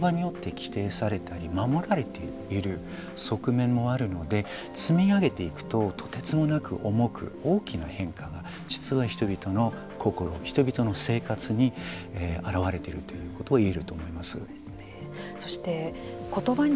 １つの語彙はとても小さいけれども私たちの意識ですとか行動は言葉によって規定されたり守られている側面もあるので積み上げていくととてつもなく重く大きな変化が実は人々の心人々の生活に表れているということが言えると思います。